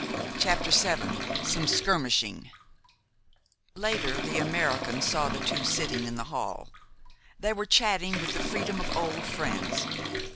CHAPTER VII SOME SKIRMISHING Later, the American saw the two sitting in the hall. They were chatting with the freedom of old friends.